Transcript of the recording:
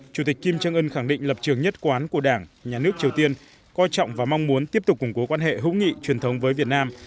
chủ tịch kim trân ưn khẳng định lập trường nhất quán của đảng nhà nước triều tiên coi trọng và mong muốn tiếp tục củng cố quan hệ hữu nghị truyền thống với việt nam